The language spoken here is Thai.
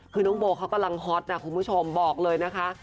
คือน้องโบเขากำลังฮอตนะคุณผู้ชมบอกเลยนะคะ